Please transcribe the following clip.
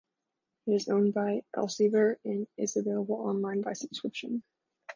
It is owned by Elsevier and is available online by subscription.